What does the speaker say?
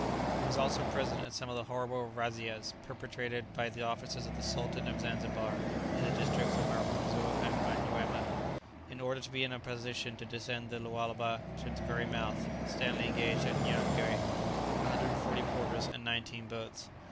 He was also present at some of the horrible razzias, perpetrated by the officers of the Sultan of Zanzibar in the districts of the Marunzu and Manyuema. In order to be in a position to descend the Lualaba to its very mouth, Stanley engaged at Nyangwe 140 porters and nineteen boats.